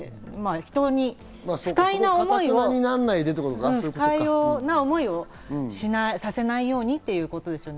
人に不快な思いをさせないようにってことですね。